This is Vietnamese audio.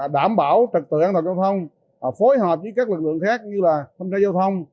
đảm bảo trật tự an toàn giao thông phối hợp với các lực lượng khác như là thanh tra giao thông